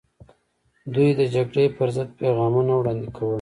دوی د جګړې پر ضد پیغامونه وړاندې کول.